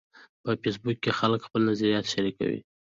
په فېسبوک کې خلک خپل نظریات شریکوي